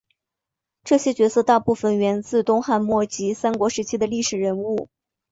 这些角色大部份源自东汉末及三国时期的历史人物。